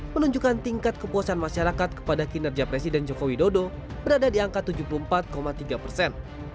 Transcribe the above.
menunjukkan tingkat kepuasan masyarakat kepada kinerja presiden jokowi dodo berada di angka tujuh puluh empat tiga persen